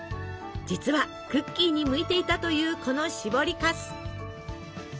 実はクッキーに向いていたというこのしぼりかす。